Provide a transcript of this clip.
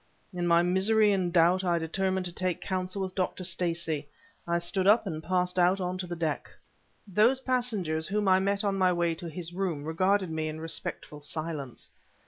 In my misery and doubt, I determined to take counsel with Dr. Stacey. I stood up, and passed out on to the deck. Those passengers whom I met on my way to his room regarded me in respectful silence.